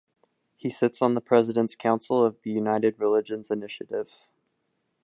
He sits on the President's Council of the United Religions Initiative.